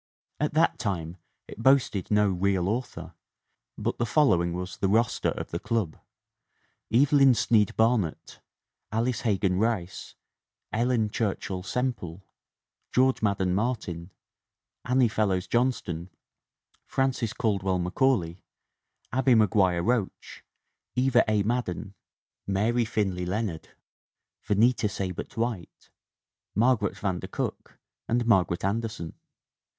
At that time it boasted no 'real author,' but the following was the roster of the club: Evelyn Snead Barnett, Alice He gan Rice, Ellen Churchill Semple, George Madden Martin, Annie Fellows Johnston, Frances Caldwell Macaulay, Abbie Meguire Roach, Eva A. Madden, Mary Finley Leonard, Venita Seibert White, Mar garet van der Cook and Margaret Anderson.